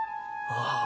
ああ。